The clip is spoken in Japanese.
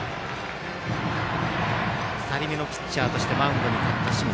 ２人目のピッチャーとしてマウンドに立った清水。